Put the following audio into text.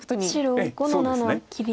白５の七切り。